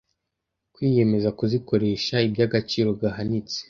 kwiyemeza kuzikoresha iby’agaciro gahanitse